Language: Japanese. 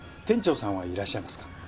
店長さんはいらっしゃいますか？